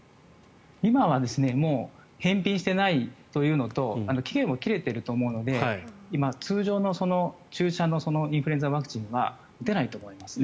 今はもう返品してないというのと期限が切れていると思うので今、通常の注射のインフルエンザワクチンは打てないと思いますね。